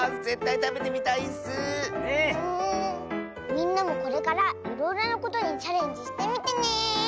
みんなもこれからいろいろなことにチャレンジしてみてね！